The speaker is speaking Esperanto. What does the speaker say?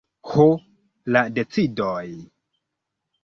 Ho, la decidoj!